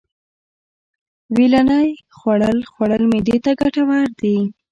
ویلنی خوړل خوړل معدې ته گټور دي.